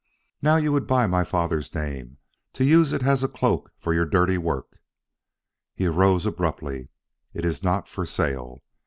Now you would buy my father's name to use it as a cloak for your dirty work!" He rose abruptly. "It is not for sale.